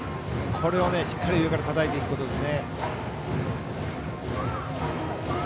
これをしっかり上から、たたいていくことですね。